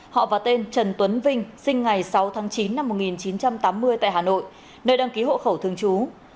họ và tên trần tuấn vinh sinh ngày sáu tháng chín năm một nghìn chín trăm tám mươi tại hà nội nơi đăng ký hộ khẩu thường trú